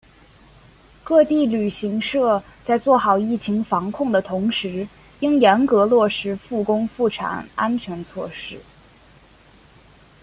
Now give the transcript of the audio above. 各地旅行社在做好疫情防控的同时应严格落实复工复产安全措施